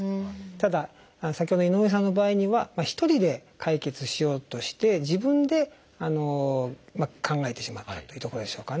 ただ先ほどの井上さんの場合には一人で解決しようとして自分で考えてしまったりというところでしょうかね。